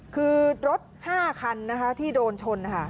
คือรถ๕คันที่โดนชนค่ะ